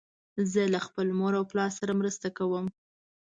زه له خپل مور او پلار سره مرسته کوم.